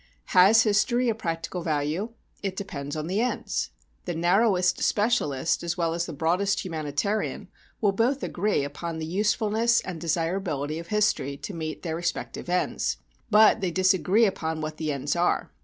Has history a practical value? It depends on the ends. The narrowest specialist as well as the broadest humanitarian will both agree upon the usefulness and desirability of history to meet their respective ends, but they disagree upon what the ends are.